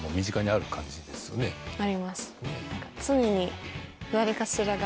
あります。